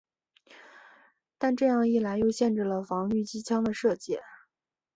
但这样一来又限制了防御机枪的射界。